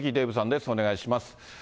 ええお願いします。